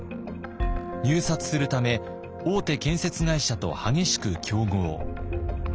入札するため大手建設会社と激しく競合。